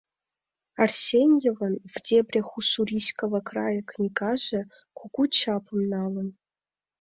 Арсеньевын «В дебрях Уссурийского края» книгаже кугу чапым налын.